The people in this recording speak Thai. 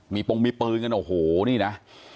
มีปงมีปืนกันโอ้โหนี่นะ